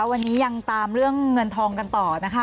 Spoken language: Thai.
วันนี้ยังตามเรื่องเงินทองกันต่อนะคะ